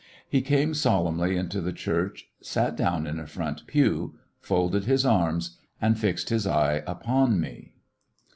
He came solemnly into the church, sat down in a front pew, folded his arms, and fixed his eye upon me.